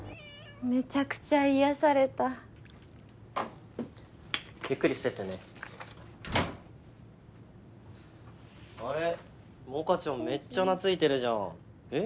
めちゃくちゃ癒やされたゆっくりしてってねあれ？もかちゃんめっちゃ懐いてるじゃんえっ？